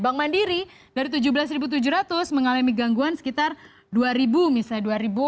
bank mandiri dari tujuh belas tujuh ratus mengalami gangguan sekitar dua misalnya